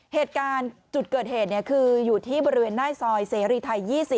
เหตุการณ์จุดเกิดเหตุคืออยู่ที่บริเวณหน้าซอยเสรีไทย๒๐